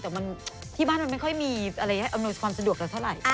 แต่ที่บ้านมันไม่มีการอำนวยความสะดวกและเธอไหร่